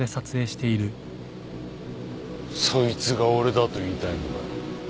そいつが俺だと言いたいのか。